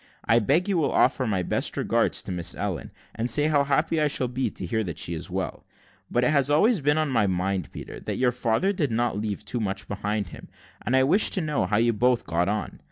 I beg you will offer my best regards to Miss Ellen, and say how happy I shall be to hear that she is well; but it has always been on my mind, Peter, that your father did not leave too much behind him, and I wish to know how you both get on.